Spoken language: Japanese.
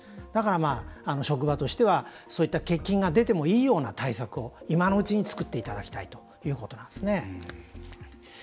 だから、職場としてはそういった欠勤が出てもいいような対策を今のうちに作っていただきたいということなんですね。